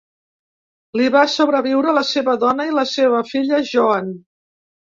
Li van sobreviure la seva dona i la seva filla Joan.